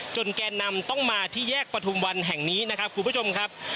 แก่นำต้องมาที่แยกประทุมวันแห่งนี้นะครับคุณผู้ชมครับ